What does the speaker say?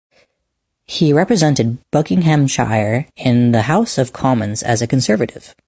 He represented Buckinghamshire in the House of Commons as a Conservative.